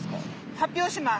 発表します！